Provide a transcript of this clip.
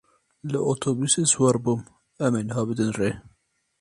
Li otobûsê siwar bûm, em ê niha bidin rê.